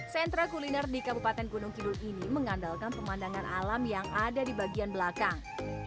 sentra kuliner di kabupaten gunung kidul ini mengandalkan pemandangan alam yang ada di bagian belakang